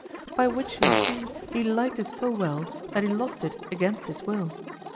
By which you see he liked it so well that he lost it against his will.